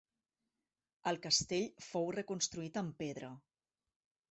El castell fou reconstruït en pedra.